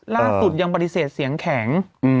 ล่าสุดยังปฏิเสธเสียงแข็ง